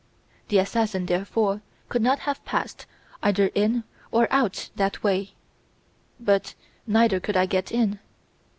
The assassin, therefore, could not have passed either in or out that way; but neither could I get in.